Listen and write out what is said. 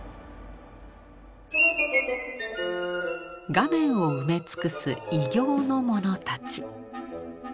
画面を埋め尽くす異形のものたち。